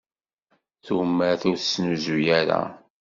Tumert ur tettnuzu ara.